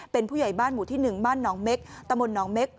เป็นผู้ใหญ่บ้านหมู่ที่๑บ้านหนองเม็กตะมนตหนองเม็ก